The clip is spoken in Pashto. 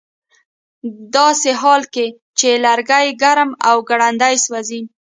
ه داسې حال کې چې لرګي ګرم او ګړندي سوځي